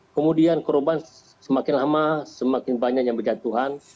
kemudian korban semakin lama semakin banyak yang berjatuhan